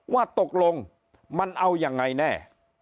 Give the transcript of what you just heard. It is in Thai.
ว่าตกลงมันเอายังไงแน่